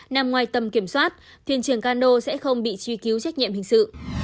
nằm ngoài tầm kiểm soát thiên trường cano sẽ không bị truy cứu trách nhiệm hình sự